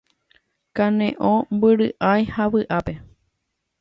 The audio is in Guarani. Kane'õ, mbyry'ái ha vy'ápe